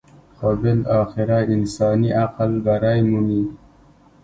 خو بالاخره انساني عقل برۍ مومي.